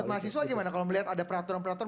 mahasiswa gimana kalau melihat ada peraturan peraturan